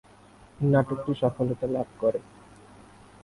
নাটকটি সফলতা লাভ করে।